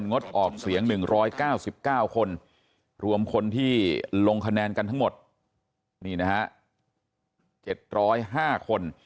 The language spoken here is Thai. งดออกเสียง๑๙๙คนรวมคนที่ลงคะแนนกันทั้งหมดนี่นะฮะ๗๐๕คน